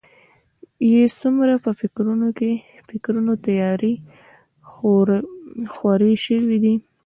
يې څومره په فکرونو تيارې خورې شوي دي.